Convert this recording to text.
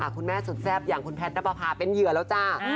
คุณแม่สุดแซ่บอย่างคุณแพทย์นับประพาเป็นเหยื่อแล้วจ้า